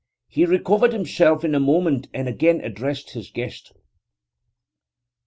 He recovered himself in a moment and again addressed his guest.